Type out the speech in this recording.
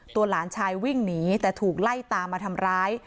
หลานชายวิ่งหนีแต่ถูกไล่ตามมาทำร้าย